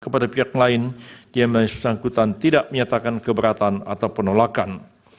kepada pihak lain yang bersangkutan tidak menyatakan keberatan atau penolakan